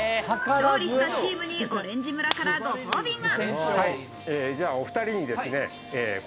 勝利したチームにオレンジ村からご褒美が。